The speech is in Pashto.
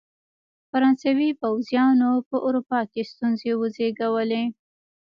فرانسوي پوځیانو په اروپا کې ستونزې وزېږولې.